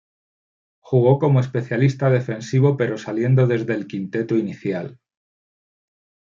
Jugó como especialista defensivo, pero saliendo desde el quinteto inicial.